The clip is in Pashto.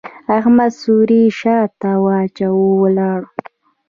احمد څوری شا ته واچاوو؛ ولاړ.